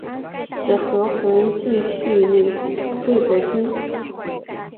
子何弘敬续领魏博军。